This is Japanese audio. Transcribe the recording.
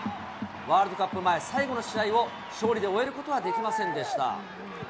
ワールドカップ前最後の試合を、勝利で終えることはできませんでした。